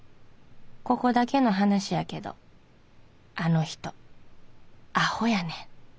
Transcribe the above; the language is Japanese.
ここだけの話やけどあのヒトあほやねん。